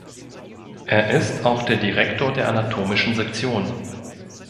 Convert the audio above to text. Er ist auch der Direktor der Anatomischen Sektion.